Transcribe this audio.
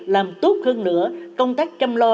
làm tốt hơn nữa công tác chăm lo